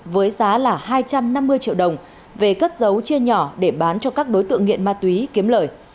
với giá là hai trăm năm mươi triệu đồng về cất dấu chia nhỏ để bán cho các đối tượng nghiện ma túy kiếm lời